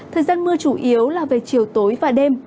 thời gian mưa chủ yếu là về chiều tối và đêm